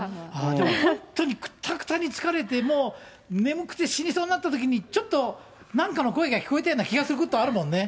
本当にくったくたに疲れて、もう眠くて死にそうになったときに、ちょっと、なんかの声が聞こえたような気がするときあるもんね。